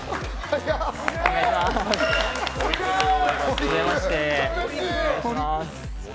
はじめまして、お願いします